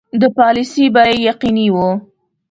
د پالیسي بری یقیني وو.